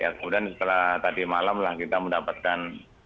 kemudian setelah tadi malam lah kita mendapatkan